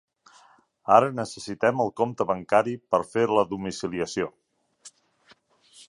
Ara necessitem el compte bancari per fer la domiciliació.